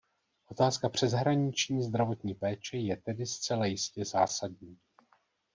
Otázka přeshraniční zdravotní péče je tedy zcela jistě zásadní.